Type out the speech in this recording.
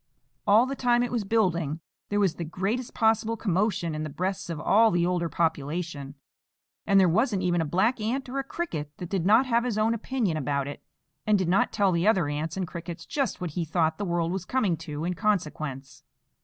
All the time it was building, there was the greatest possible commotion in the breasts of all the older population; and there wasn't even a black ant, or a cricket, that did not have his own opinion about it, and did not tell the other ants and crickets just what he thought the world was coming to in consequence.